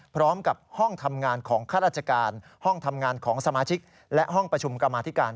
พร้อมกับห้องทำงานของข้าราชการห้องทำงานของสมาชิกและห้องประชุมกรรมาธิการ